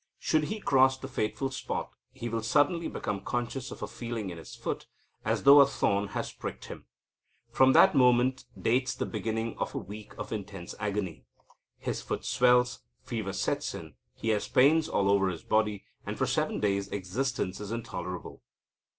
Should he cross the fateful spot, he will suddenly become conscious of a feeling in his foot, as though a thorn had pricked him. From that moment dates the beginning of a week of intense agony. His foot swells, fever sets in, he has pains all over his body, and for seven days existence is intolerable.